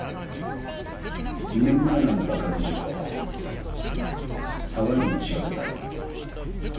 ２年前のあの爆発事故沢入の仕業だろ？